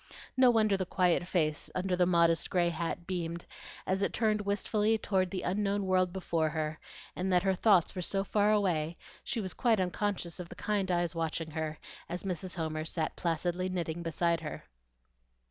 No wonder the quiet face under the modest gray hat beamed, as it turned wistfully toward the unknown world before her, and that her thoughts were so far away, she was quite unconscious of the kind eyes watching her, as Mrs. Homer sat placidly knitting beside her.